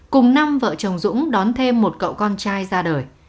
cùng năm vợ chồng dũng đón thêm một cậu con trai ra đời